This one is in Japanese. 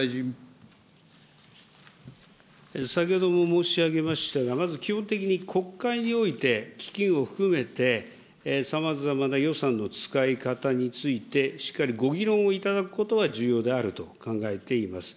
先ほども申し上げましたが、まず基本的に国会において、基金を含めて、さまざまな予算の使い方について、しっかりご議論をいただくことは重要であると考えています。